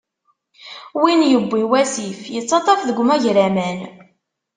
Win yiwwi wasif, ittaṭṭaf deg umagraman.